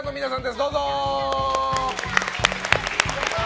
どうぞ！